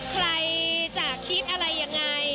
ใครจะคิดอะไรอย่างไร